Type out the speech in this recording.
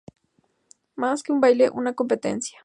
Más que un baile una competencia.